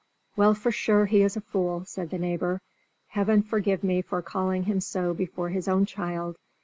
"Well, for sure he is a fool," said the neighbour. "Heaven forgive me for calling him so before his own child!